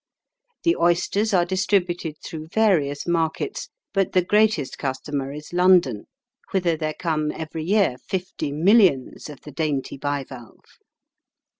The oysters are distributed through various markets, but the greatest customer is London, whither there come every year fifty millions of the dainty bivalve.